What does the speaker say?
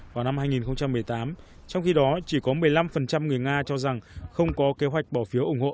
vào năm hai nghìn một mươi tám trong khi đó chỉ có một mươi năm người nga cho rằng không có kế hoạch bỏ phiếu ủng hộ